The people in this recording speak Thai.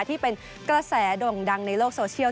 ที่เป็นกระแสด่งดังในโลกโซเชียล